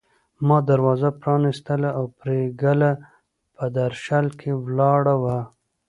ما دروازه پرانيستله او پري ګله په درشل کې ولاړه وه